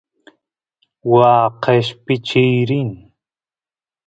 waa qeshpichiy rin